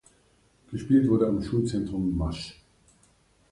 Gespielt wurde am Schulzentrum Masch.